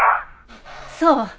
そう。